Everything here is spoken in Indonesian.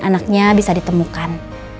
anaknya bisa ditemukan